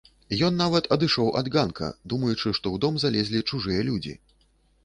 Ён нават адышоў ад ганка, думаючы, што ў дом залезлі чужыя людзі.